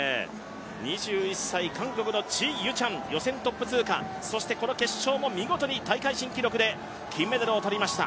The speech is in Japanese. ２１歳、韓国のチ・ユチャン、予選トップ通過、そしてこの決勝も見事に大会新記録で金メダルを取りました。